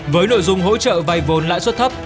với nội dung hỗ trợ vay vốn lãi suất thấp